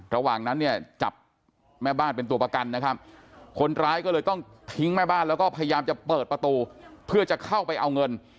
ระหว่างนั้นเนี่ยจับแม่บ้านเป็นตัวประกันนะครับคนร้ายก็เลยต้องทิ้งแม่บ้านแล้วก็พยายามจะเปิดประตูเพื่อจะเข้าไปเอาเงิน